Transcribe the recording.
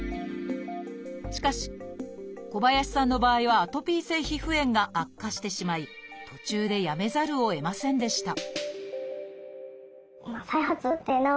しかし小林さんの場合はアトピー性皮膚炎が悪化してしまい途中でやめざるをえませんでした